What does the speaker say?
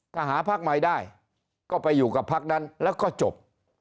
ถ้าหาพักใหม่ได้ก็ไปอยู่กับพักนั้นแล้วก็จบ